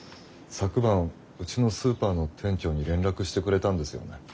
昨晩うちのスーパーの店長に連絡してくれたんですよね。